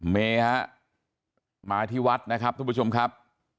เมฮะมาที่วัดนะครับทุกผู้ชมครับ